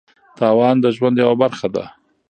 تاوان د ژوند یوه برخه ده.